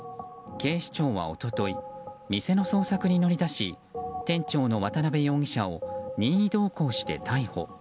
警視庁は一昨日店の捜索に乗り出し店長の渡辺容疑者を任意同行して逮捕。